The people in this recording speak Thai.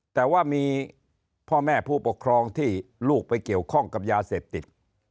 แต่ว่ามีพ่อแม่ผู้ปกครองที่ลูกไปเกี่ยวข้องกับยาเสพติด